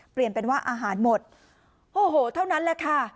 เปลี่ยนเป็นว่าอาหารหมดโอ้โหเท่านั้นแหละค่ะ